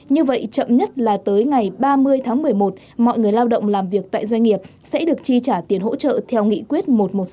như vậy chậm nhất là tới ngày ba mươi tháng một mươi một mọi người lao động làm việc tại doanh nghiệp sẽ được chi trả tiền hỗ trợ theo nghị quyết một trăm một mươi sáu